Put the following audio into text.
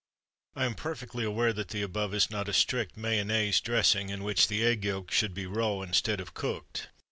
I am perfectly aware that the above is not a strict Mayonnaise dressing, in which the egg yolks should be raw, instead of cooked.